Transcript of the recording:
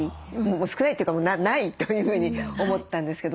少ないというかないというふうに思ったんですけど。